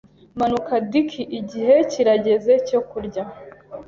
Manuka, Dick. Igihe kirageze cyo kurya.